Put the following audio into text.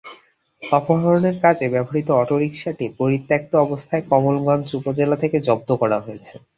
অপহরণের কাজে ব্যবহৃত অটোরিকশাটি পরিত্যক্ত অবস্থায় কমলগঞ্জ উপজেলা থেকে জব্দ করা হয়েছে।